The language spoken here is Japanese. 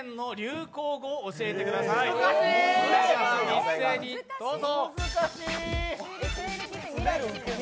一斉にどうぞ。